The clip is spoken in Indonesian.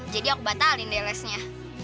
jadi aku batalin deh lesnya